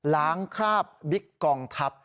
ล้างคราบบิ๊กกองทัพ